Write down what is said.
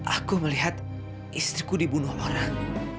aku melihat istriku dibunuh orang